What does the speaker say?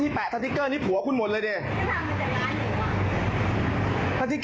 ทาสติกเกอร์ได้ทำมาจากร้านคุณ